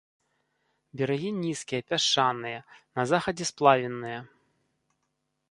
Берагі нізкія, пясчаныя, на захадзе сплавінныя.